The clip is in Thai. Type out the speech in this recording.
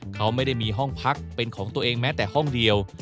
เขาไม่ได้มีห้องพักเป็นของตัวเองแม้แต่ห้องเดียว